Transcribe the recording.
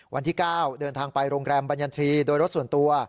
วันที่๙เดินทางไปโรงแรมบรรยันทรีย์โดยรถส่วนตัว